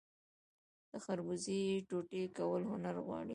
د خربوزې ټوټې کول هنر غواړي.